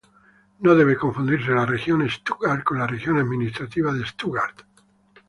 No debe confundirse la Region Stuttgart con la Región Administrativa de Stuttgart.